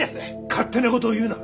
勝手な事を言うな！